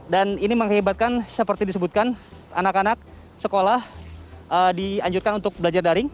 dan ini menghebatkan seperti disebutkan anak anak sekolah dianjurkan untuk belajar daring